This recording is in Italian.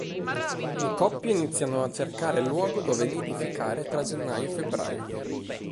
Le coppie iniziano a cercare il luogo dove nidificare tra gennaio e febbraio.